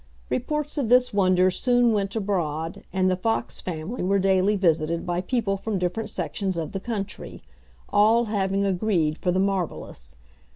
Reports of this wonder soon went abroad, and the Fox family were daily visited by people from different sections of the country all having a greed for the marvelous.